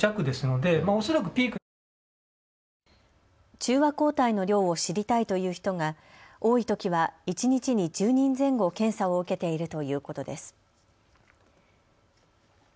中和抗体の量を知りたいという人が多いときは一日に１０人前後、検査を受けているということです。